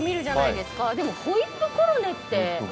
でもホイップコロネって。